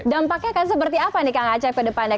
dampaknya kan seperti apa nih kak acak ke depannya